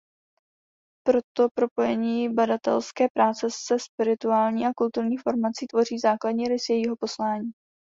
Proto propojení badatelské práce se spirituální a kulturní formací tvoří základní rys jejího poslání.